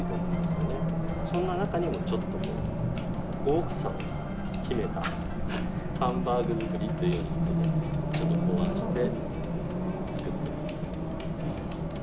そんな中にもちょっとこう豪華さを秘めたハンバーグ作りというようなことでちょっと考案して作ってます。